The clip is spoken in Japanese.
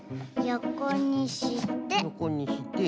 よこにして。